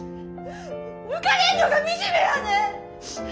抜かれんのがみじめやねん！